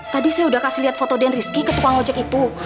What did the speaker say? tadi saya sudah kasih lihat foto den rizky ke tukang ojek itu